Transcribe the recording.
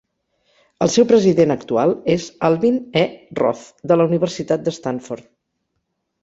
El seu president actual és Alvin E. Roth de la Universitat de Stanford.